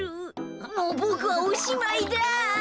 もうボクはおしまいだ。